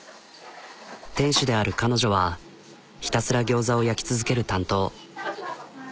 店主である彼女はひたすら餃子を焼き続ける担当。